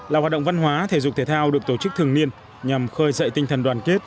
là hoạt động văn hóa thể dục thể thao được tổ chức thường niên nhằm khơi dậy tinh thần đoàn kết